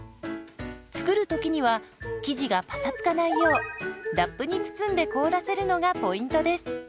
作る時には生地がパサつかないようラップに包んで凍らせるのがポイントです。